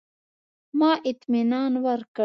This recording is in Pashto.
ما اطمنان ورکړ.